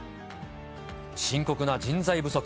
深刻な人材不足。